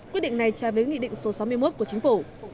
quyết định này trai với nghị định số sáu mươi một của chính phủ